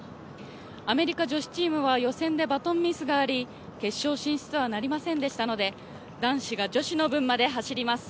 アメリカ女子チームは予選でバトンミスがあり、決勝進出はなりませんでしたので男子が女子の分まで走ります。